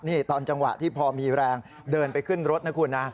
นี่ตอนจังหวะที่พอมีแรงเดินไปขึ้นรถนะคุณนะ